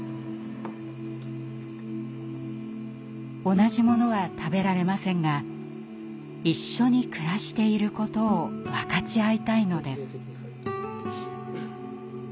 同じものは食べられませんが「一緒に暮らしていること」を分かち合いたいのです。